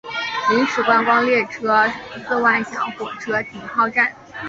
临时观光列车四万小火车停靠站。